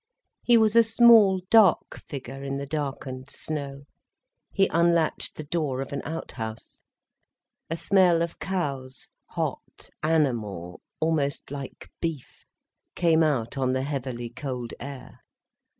He was a small, dark figure in the darkened snow. He unlatched the door of an outhouse. A smell of cows, hot, animal, almost like beef, came out on the heavily cold air.